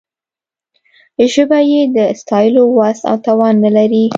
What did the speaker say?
ژبه یې د ستایلو وس او توان نه لري.